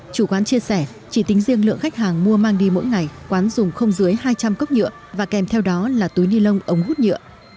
chủ quán chia sẻ chỉ tính riêng lượng khách hàng mua mang đi mỗi ngày quán dùng không dưới hai trăm linh cốc nhựa và kèm theo đó là túi ni lông ống hút nhựa